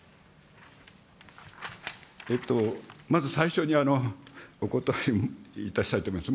まず最初にお答えいたしたいと思います。